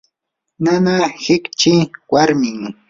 nanaa hiqchi warmim.